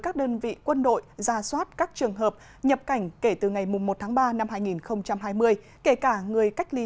các đơn vị quân đội ra soát các trường hợp nhập cảnh kể từ ngày một tháng ba năm hai nghìn hai mươi kể cả người cách ly